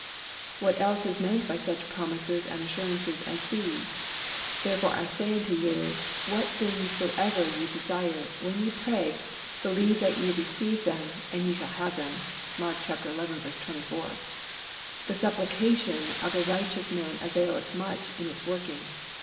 What else is meant by such promises and assurances as these: "Therefore I say unto you, What things soever ye desire, when ye pray, believe that ye receive them, and ye shall have them" (Mark xi. 24); "The supplication of a righteous man availeth much in its working.